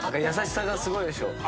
優しさがすごいでしょ。